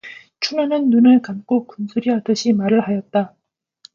춘우는 눈을 감고 군소리하듯이 말을 하였다.